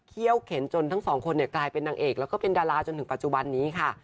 เขี้ยวเข็นจนทั้งสองคนกลายเป็นนางเอกแล้วก็เป็นดาราจนถึงปัจจุบันนี้ค่ะ